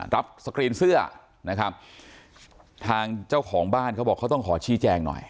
สกรีนเสื้อนะครับทางเจ้าของบ้านเขาบอกเขาต้องขอชี้แจงหน่อย